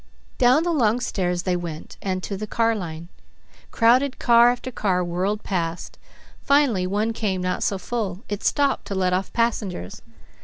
Down the long stairs they went and to the car line. Crowded car after car whirled past; finally one came not so full, it stopped to let off passengers.